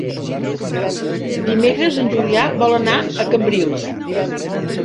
Dimecres en Julià vol anar a Cambrils.